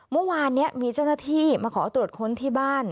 เมื่อวานนี้มีเจ้าหน้าที่มาขอตรวจค้นที่บ้าน